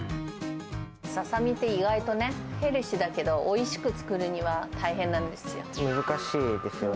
ササミって意外とね、ヘルシーだけど、おいしく作るには大変なんですよ。